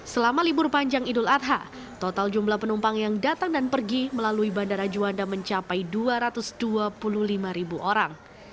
selama libur panjang idul adha total jumlah penumpang yang datang dan pergi melalui bandara juanda mencapai dua ratus dua puluh lima ribu orang